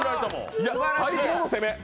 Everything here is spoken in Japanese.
最高の攻め！